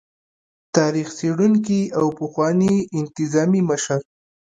تاريخ څيړونکي او پخواني انتظامي مشر